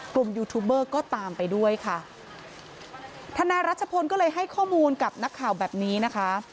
ยูทูบเบอร์ก็ตามไปด้วยค่ะทนายรัชพลก็เลยให้ข้อมูลกับนักข่าวแบบนี้นะคะ